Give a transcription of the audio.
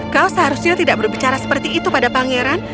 kau seharusnya tidak berbicara seperti itu pada pangeran